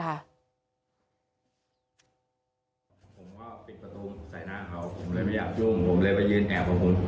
ผมว่าปิดประตูใส่หน้าเขาผมเลยไม่อยากยุ่ง